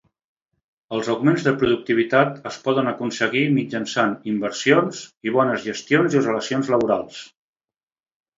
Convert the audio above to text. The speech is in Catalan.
Els augments de productivitat es poden aconseguir mitjançant inversions i bones gestions i relacions laborals.